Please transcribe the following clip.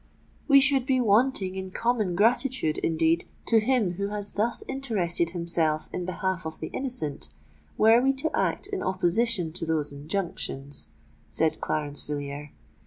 "We should be wanting in common gratitude, indeed, to him who has thus interested himself in behalf of the innocent, were we to act in opposition to those injunctions," said Clarence Villiers.